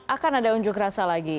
akan ada unjuk rasa lagi